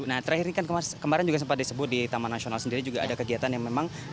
nah terakhir ini kan kemarin juga sempat disebut di taman nasional sendiri juga ada kegiatan yang memang